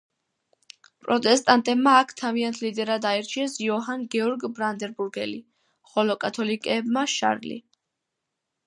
პროტესტანტებმა აქ თავიანთ ლიდერად აირჩიეს იოჰან გეორგ ბრანდენბურგელი, ხოლო კათოლიკეებმა შარლი.